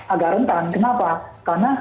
agak rentan kenapa